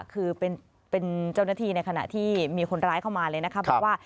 คือเป็นเจ้าหน้าที่ในขณะที่มีคนร้ายเข้ามาเลยนะคะบอกว่า